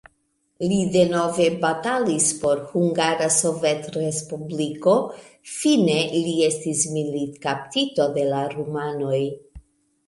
Li denove batalis por Hungara Sovetrespubliko, fine li estis militkaptito de la rumanoj.